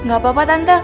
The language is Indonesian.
gak apa apa tante